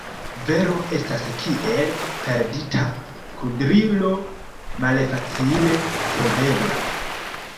Vero estas kiel perdita kudrilo – malfacile trovebla.